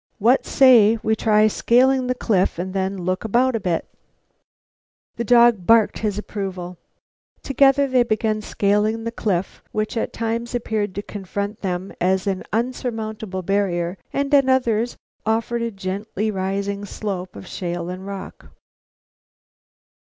What say we try scaling the cliff and then look about a bit?" The dog barked his approval. Together they began scaling the cliff, which at times appeared to confront them as an unsurmountable barrier and at others offered a gently rising slope of shale and rock.